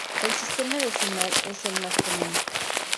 El sistema decimal es el más común.